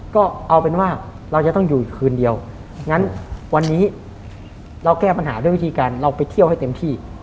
ก็เอาเป็นว่าเราจะต้องอยู่อีกคืนเดียวงั้นวันนี้เราแก้ปัญหาด้วยวิธีการเราไปเที่ยวให้เต็มที่